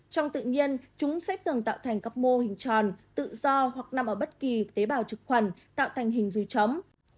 trong tự nhiên chúng sẽ thường tạo thành các mô hình tròn tự do hoặc nằm ở bất kỳ tế bào trực khuẩn tạo thành hình dùi chóng